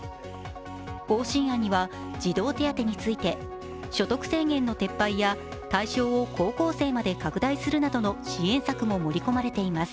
方針案には児童手当について所得制限の撤廃や対象を高校生まで拡大するなどの支援策も盛り込まれています。